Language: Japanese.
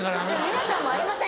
皆さんもありません？